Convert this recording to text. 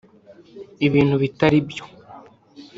ibintu bitari byo (…)